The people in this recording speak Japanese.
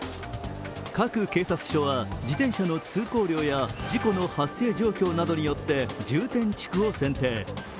各警察署は自転車の通行量や事故の発生状況などによって重点地区を選定。